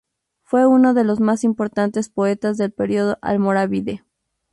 Fue uno de los más importantes poetas del periodo almorávide.